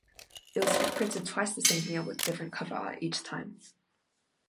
It was re-printed twice the same year with different cover art each time.